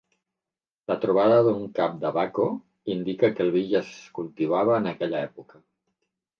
La trobada d"un cap de Baco indica que el vi ja es cultivava en aquella època.